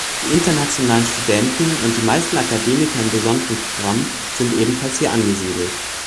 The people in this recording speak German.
Die internationalen Studenten und die meisten Akademiker in besonderen Programmen sind ebenfalls hier angesiedelt.